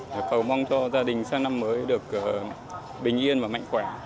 và cầu mong cho gia đình sang năm mới được bình yên và mạnh khỏe